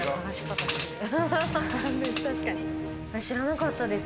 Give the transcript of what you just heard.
知らなかったです。